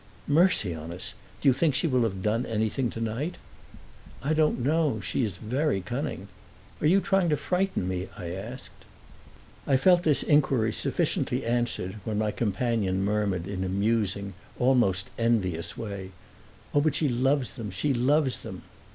"Mercy on us; do you think she will have done anything tonight?" "I don't know; she is very cunning." "Are you trying to frighten me?" I asked. I felt this inquiry sufficiently answered when my companion murmured in a musing, almost envious way, "Oh, but she loves them she loves them!"